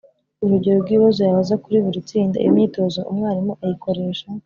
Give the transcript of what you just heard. urugero rw’ibibazo yabaza kuri buri tsinda. Iyo myitozo umwarimu ayikoresha